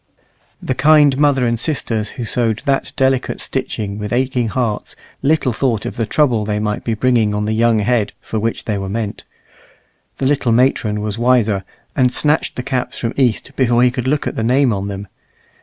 The kind mother and sisters who sewed that delicate stitching with aching hearts little thought of the trouble they might be bringing on the young head for which they were meant. The little matron was wiser, and snatched the caps from East before he could look at the name on them.